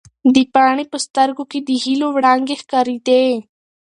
د پاڼې په سترګو کې د هیلو وړانګې ښکارېدې.